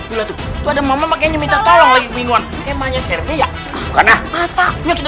itu ada mama makanya minta tolong lagi bingung emangnya serve ya karena masa kita